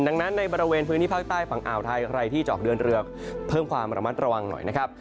ดังนั้นในบริเวณพื้นที่ภาคใต้ฝั่งอ่าวไทยใครที่จะออกเดินเรือเพิ่มความระมัดระวังหน่อยนะครับ